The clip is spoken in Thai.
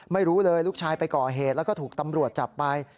ไม่รู้เลยลูกชายไปก่อเหตุแล้วก็ถูกตำรวจจับไป